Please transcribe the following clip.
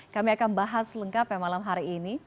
kami akan bahas lengkapnya malam hari ini